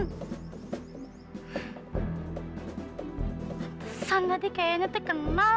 hatesan tadi kayaknya teteh kenal